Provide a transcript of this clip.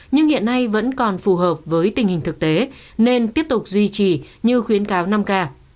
nhưng hiện nay vẫn còn phù hợp với tình hình thực tế nên tiếp tục duy trì như khuyến cáo năm k